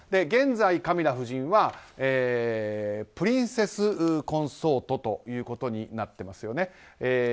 現在、カミラ夫人はプリンセス・コンソートということになっていますよね。